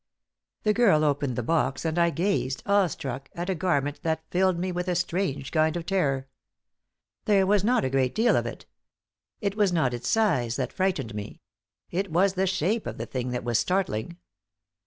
The girl opened the box, and I gazed, awestruck, at a garment that filled me with a strange kind of terror. There was not a great deal of it. It was not its size that frightened me; it was the shape of the thing that was startling.